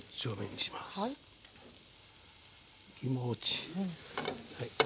気持ち。